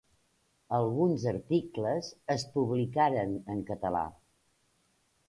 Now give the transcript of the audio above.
Alguns articles es publicaren en català.